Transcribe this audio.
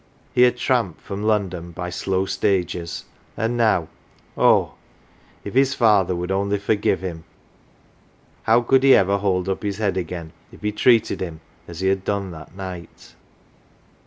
He had tramped from London by slow stages, and now oh ! if his father would only forgive him ! How could he ever hold up his head again if he treated him as he had done that night